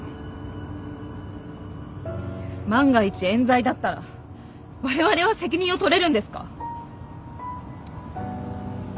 万が一冤罪だったらわれわれは責任を取れるんですか？